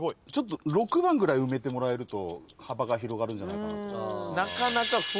ちょっと６番ぐらい埋めてもらえると幅が広がるんじゃないかなと。